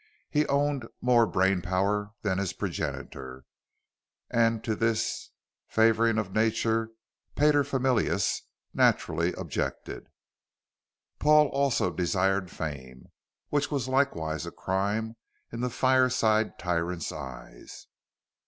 He owned more brain power than his progenitor, and to this favoring of Nature paterfamilias naturally objected. Paul also desired fame, which was likewise a crime in the fire side tyrant's eyes.